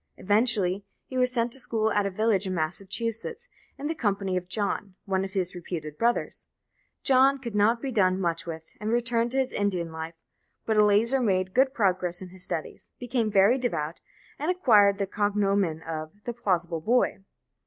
Eventually, he was sent to school at a village in Massachusetts, in the company of John, one of his reputed brothers. John could not be done much with, and returned to his Indian life, but Eleazar made good progress in his studies, became very devout, and acquired the cognomen of "the plausible boy."